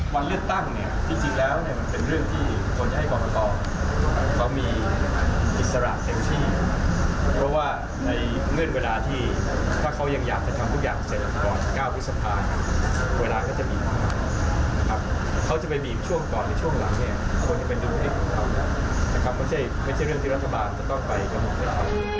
เป็นจุดที่ต้องทำนะครับก็ไม่ใช่เรื่องที่รัฐบาลจะต้องไปกับองค์กรอิสระ